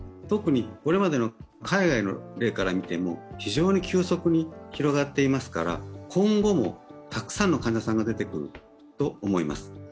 特にこれまでの海外の例からみても、非常に急速に広がっていますから、今後もたくさんの患者さんが出てくると思います。